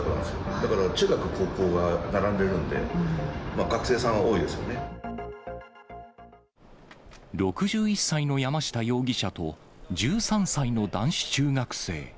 だから中学高校が並んでるんで、６１歳の山下容疑者と１３歳の男子中学生。